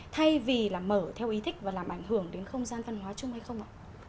thay vì là mở theo ý thích và làm ảnh hưởng đến không gian văn hóa chung hay không ạ